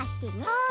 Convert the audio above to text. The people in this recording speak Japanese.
はい。